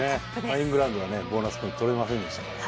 イングランドはボーナスポイントとれませんでしたから。